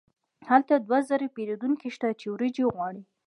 هلته دوه زره پیرودونکي شته چې وریجې غواړي.